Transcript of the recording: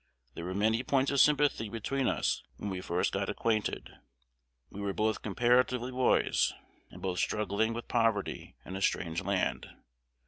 There were many points of sympathy between us when we first got acquainted. We were both comparatively boys, and both struggling with poverty in a strange land.